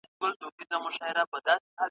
هغو زموږ په مټو یووړ تر منزله